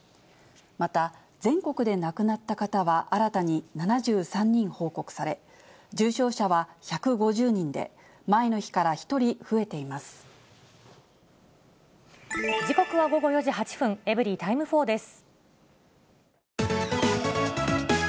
また、全国で亡くなった方は新たに７３人報告され、重症者は１５０人で、時刻は午後４時８分、エブリィタイム４です。